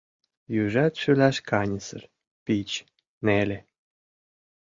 Южат шӱлаш каньысыр, пич, неле.